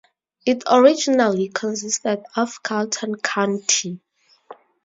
It originally consisted of Carleton County.